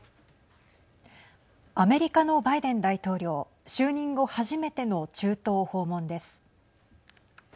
アメリカのバイデン大統領就任後初めての中東を訪問です。